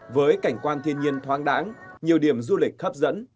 với cảnh quan thiên nhiên thoáng đáng nhiều điểm du lịch hấp dẫn